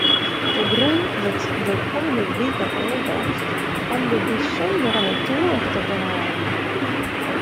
De grûn wurdt de kommende wiken oanpast om de bysûndere natoer te behâlden.